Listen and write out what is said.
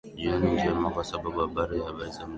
jioni njema kwa sasa habari habari ha muziki